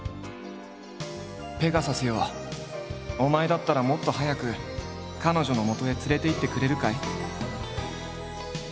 「ペガサスよお前だったらもっと早くカノジョの元へ連れていってくれるかい？」。